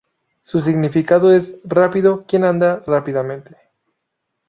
Su significado es "rápido, quien anda rápidamente".